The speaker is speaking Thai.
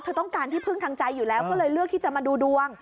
ต้องการที่พึ่งทางใจอยู่แล้วก็เลยเลือกที่จะมาดูดวง